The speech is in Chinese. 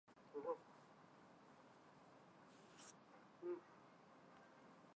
共产党是塞尔维亚的一个共产主义政党。